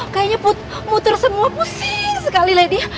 kayanya puter semua pusing sekali lady